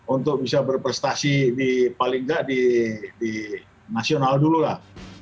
untuk bisa berprestasi di paling nggak di nasional dulu lah